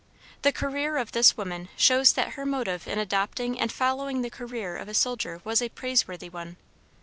The career of this woman shows that her motive in adopting and following the career of a soldier was a praiseworthy one.